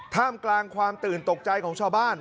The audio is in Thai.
ท่ามกลางความตื่นตกใจของชาวบ้าน